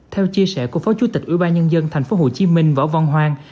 theo chia sẻ của phó chủ tịch ủy ban nhân dân thành phố hồ chí minh võ văn hoang